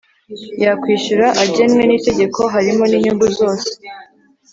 Yakwishyura agenwe n’itegeko harimo n’inyungu zose